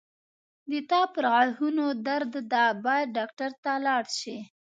د تا پرغاښونو درد ده باید ډاکټر ته لاړ شې